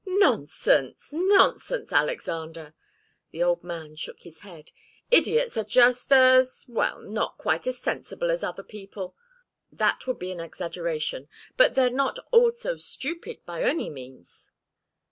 "Nonsense! Nonsense, Alexander!" The old man shook his head. "Idiots are just as well, not quite as sensible as other people, that would be an exaggeration but they're not all so stupid, by any means."